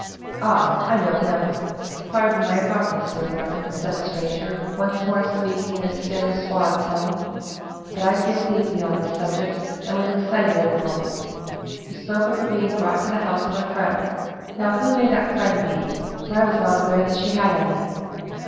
"Ah! I know him! Pardon my abruptness, Sir Norman," said the stranger, once more speaking in his assumed suave tone, "but I feel deeply on this subject, and was excited at the moment. You spoke of her being brought to the house of a friend now, who may that friend be, for I was not aware that she had any?"